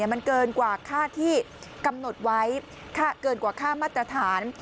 มันเกินกว่าค่าที่กำหนดไว้เกินกว่าค่ามาตรฐาน